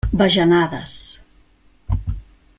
Bajanades.